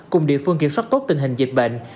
cùng địa phương kiểm soát tốt tình hình dịch bệnh